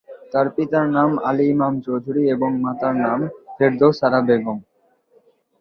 তার পিতার নাম আলী ইমাম চৌধুরী এবং মাতার নাম ফেরদৌস আরা বেগম।